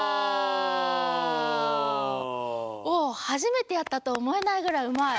お初めてやったと思えないぐらいうまい。